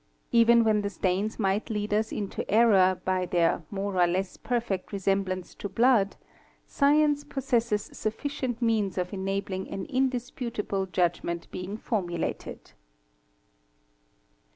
Even when the stains might lead us into error by, their more or less perfect resemblance to blood, science possesses sufficient means of enabl ing an indisputable judgment being formulated.